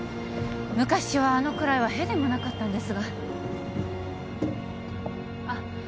昔はあのくらいは屁でもなかったんですがあっ